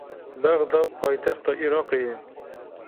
Bexda paytexta Iraqê ye.